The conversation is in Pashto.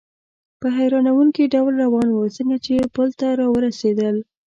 په حیرانوونکي ډول روان و، څنګه چې پل ته را ورسېدل.